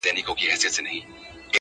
• دغه خوار ملنگ څو ځايه تندی داغ کړ؛